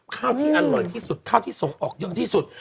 ข้าวที่อร่อยที่สุดข้าวที่ส่งออกเยอะที่สุด